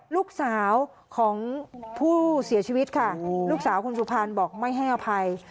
ลูกสาวของผู้เสียชีวิตค่ะลูกสาวคุณสุพรรณบอกไม่ให้อภัย